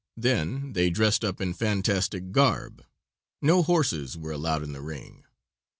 Then they dressed up in fantastic garb. No horses were allowed in the ring.